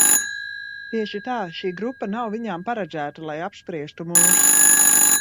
Tieši tā. Šī grupa nav viņām paredzēta, lai apspriestu mūs.